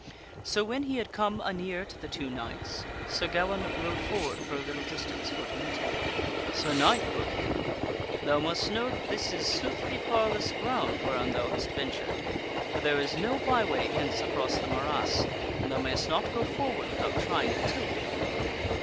So, when he had come anear to the two knights, Sir Gawaine rode forward for a little distance for to meet him. " Sir Knight," quoth he, " thou must know that this is soothly parlous ground whereon thou hast ventured ; for there is no byway hence across the morass, and thou mayst not go forward without trying a tilt with me."